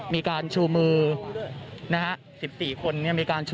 มีการชูมือ